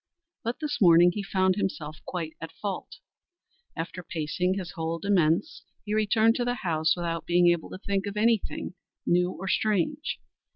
But this morning he found himself quite at fault; after pacing his whole demesne, he returned to his house without being able to think of anything new or strange.